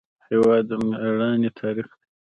هېواد د میړانې تاریخ دی.